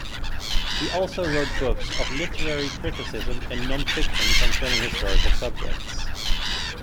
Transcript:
He also wrote books of literary criticism and nonfiction concerning historical subjects.